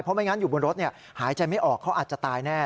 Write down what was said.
ไม่งั้นอยู่บนรถหายใจไม่ออกเขาอาจจะตายแน่